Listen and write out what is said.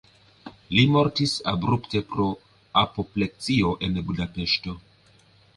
Li mortis abrupte pro apopleksio en Budapeŝto.